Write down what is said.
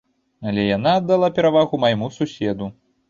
Але яна аддала перавагу майму суседу.